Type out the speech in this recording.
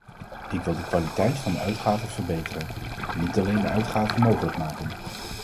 Ik wil de kwaliteit van de uitgaven verbeteren, niet alleen de uitgaven mogelijk maken.